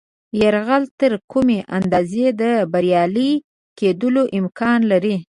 یرغل تر کومې اندازې د بریالي کېدلو امکان لري.